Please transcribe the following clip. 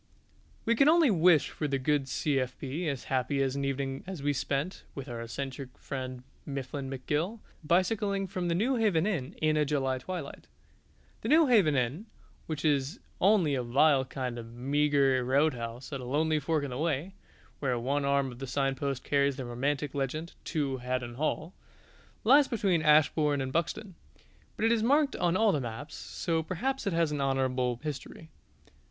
We can only wish for the good C.F.B. as happy an evening as we spent (with our eccentric friend Mifflin McGill) bicycling from the Newhaven Inn in a July twilight. The Newhaven Inn, which is only a vile kind of meagre roadhouse at a lonely fork in the way (where one arm of the signpost carries the romantic legend "To Haddon Hall"), lies between Ashbourne and Buxton. But it is marked on all the maps, so perhaps it has an honourable history.